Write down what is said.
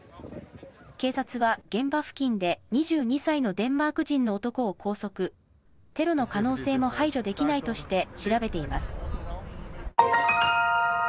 警察は、現場付近で２２歳のデンマーク人の男を拘束、テロの可能性も排除できないとして調べています。